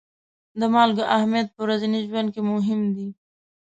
د مالګو اهمیت په ورځني ژوند کې مهم دی.